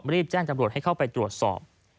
รีบแจ้งจำรวจให้เข้าไปตรวจสอบ